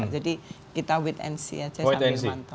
jadi kita wait and see aja sambil mantau